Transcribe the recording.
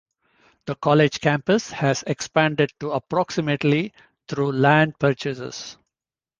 The college campus has expanded to approximately through land purchases.